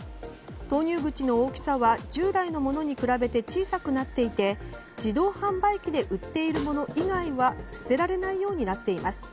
投入口の大きさは従来のものに比べて小さくなっていて自動販売機で売っているもの以外は捨てられないようになっています。